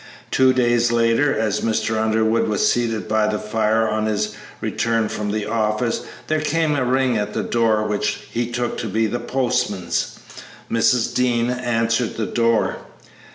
Two days later, as Mr. Underwood was seated by the fire on his return from the office, there came a ring at the door which he took to be the postman's. Mrs. Dean answered the door.